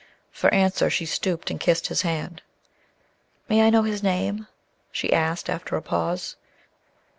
For answer she stooped and kissed his hand. "May I know his name?" she asked after a pause.